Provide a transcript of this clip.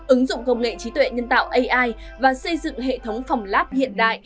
ứng dụng công nghệ trí tuệ nhân tạo ai và xây dựng hệ thống phòng lab hiện đại